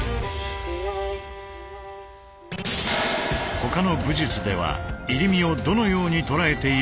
ほかの武術では「入身」をどのように捉えているのだろうか。